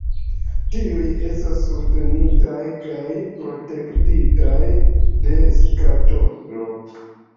Tiuj estas subtenitaj kaj protektitaj de skatolo.